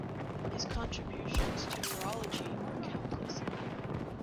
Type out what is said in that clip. His contributions to neurology were countless.